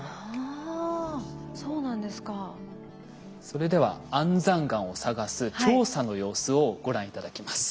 それでは安山岩を探す調査の様子をご覧頂きます。